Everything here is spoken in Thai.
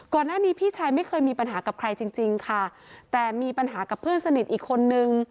พี่ชายไม่เคยมีปัญหากับใครจริงจริงค่ะแต่มีปัญหากับเพื่อนสนิทอีกคนนึง